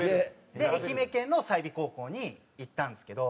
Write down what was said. で愛媛県の済美高校に行ったんですけど。